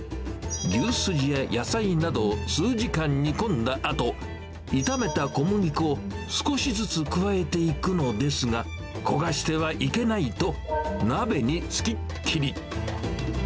牛すじや野菜などを数時間煮込んだあと、炒めた小麦粉を少しずつ加えていくのですが、焦がしてはいけないと、鍋につきっきり。